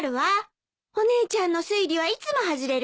お姉ちゃんの推理はいつも外れるし。